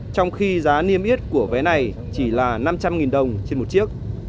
trong khi giá niêm yết của vé này chỉ là năm trăm linh đồng trên một chiếc